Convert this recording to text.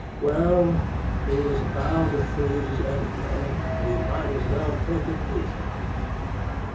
Well, he was bound to freeze anyway, and he might as well take it decently.